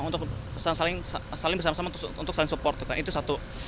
untuk saling bersama sama untuk saling support itu satu